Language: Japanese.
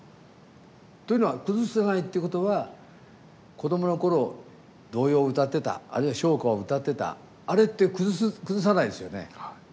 というのは崩さないっていうことは子どもの頃童謡を歌ってたあるいは唱歌を歌ってたあれって崩さないですよね。